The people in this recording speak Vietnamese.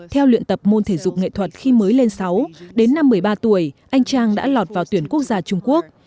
theo luyện tập môn thể dục nghệ thuật khi mới lên sáu đến năm một mươi ba tuổi anh trang đã lọt vào tuyển quốc gia trung quốc